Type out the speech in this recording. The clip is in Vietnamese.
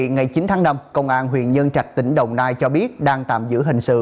ngày chín tháng năm công an huyện nhân trạch tỉnh đồng nai cho biết đang tạm giữ hình sự